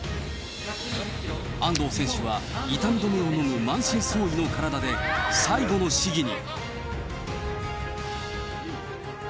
安藤選手は、痛み止めを飲む満身創痍の体で、最後の試技に。